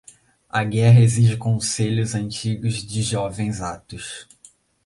A guerra exige conselhos antigos de jovens atos.